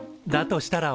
としたら